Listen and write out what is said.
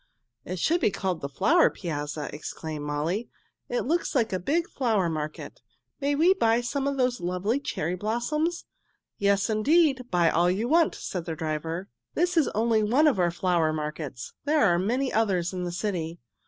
"It should be called the Flower Piazza!" exclaimed May. "It looks like a big flower market. May we buy some of those lovely cherry blossoms?" "Yes, indeed! Buy all you want," said their driver. "This is only one of our flower markets. There are many others in the city."